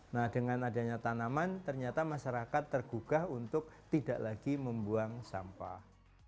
nah dengan adanya tanaman ternyata masyarakat tergugah untuk tidak lagi membuang sampah